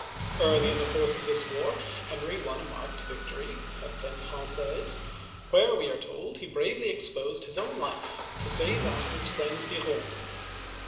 Early in the course of this war, Henry won a marked victory (Fontaine Fran^aise), where, we are told, he bravely ex posed his own life to save that of his friend Biron (be r^N').